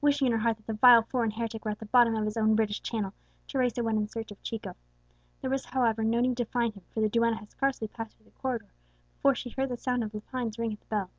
Wishing in her heart that the vile foreign heretic were at the bottom of his own British Channel, Teresa went in search of Chico. There was, however, no need to find him, for the duenna had scarcely passed through the corridor before she heard the sound of Lepine's ring at the bell.